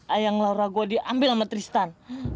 ayang laura gue diambil sama tristan